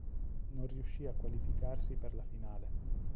Non riuscì a qualificarsi per la finale.